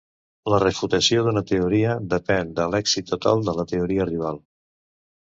La refutació d'una teoria depèn de l'èxit total de la teoria rival.